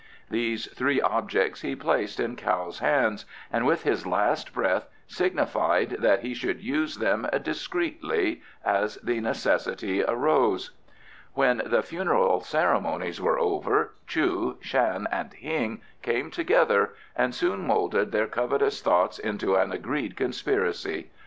These three objects he placed in Kao's hands, and with his last breath signified that he should use them discreetly as the necessity arose. When the funeral ceremonies were over, Chu, Shan, and Hing came together, and soon moulded their covetous thoughts into an agreed conspiracy.